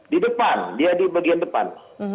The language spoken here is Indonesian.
di depan dia di bagian depan